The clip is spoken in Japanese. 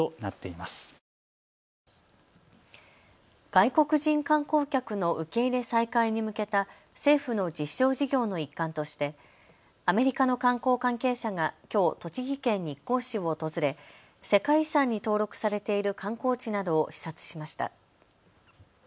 外国人観光客の受け入れ再開に向けた政府の実証事業の一環としてアメリカの観光関係者がきょう栃木県日光市を訪れ世界遺産に登録されている観光地などを視察しました。